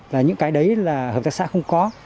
và những cái đấy là hợp tác xã không có